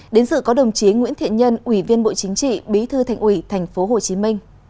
đến sự có đồng chí nguyễn thiện nhân ủy viên bộ chính trị bí thư thành ủy tp hcm